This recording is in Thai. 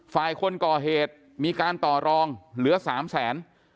คนก่อเหตุมีการต่อรองเหลือ๓แสน